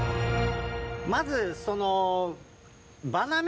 まずその。